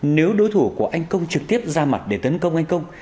nếu đối thủ của anh công trực tiếp ra mặt để tấn công anh công